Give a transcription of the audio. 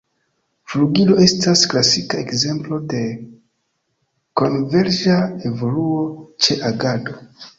Flugilo estas klasika ekzemplo de konverĝa evoluo ĉe agado.